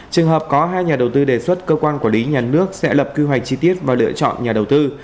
trường hợp có hai nhà đầu tư đề xuất cơ quan quản lý nhà nước sẽ lập quy hoạch chi tiết và lựa chọn nhà đầu tư